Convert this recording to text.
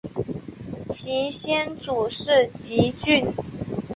其先祖是汲郡。